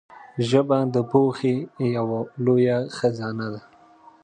ژبه د پوهې یو لوی خزانه ده